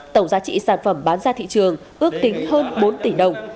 tổng giá trị sản phẩm bán ra thị trường ước tính hơn bốn tỷ đồng